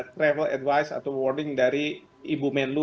travel advice atau warning dari ibu menlu